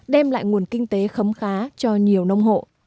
đem lại nguồn kinh tế khấm khá cho nhiều nông hộ